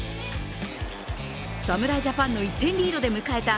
侍ジャパンの１点リードで迎えた